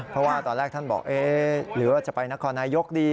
เพราะว่าตอนแรกท่านบอกเอ๊ะหรือว่าจะไปนครนายกดี